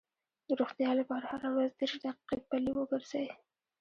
د روغتیا لپاره هره ورځ دېرش دقیقې پلي وګرځئ.